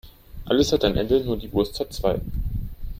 Alles hat ein Ende, nur die Wurst hat zwei.